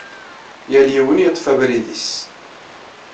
Yal yiwen yeḍḍef abrid-nnes.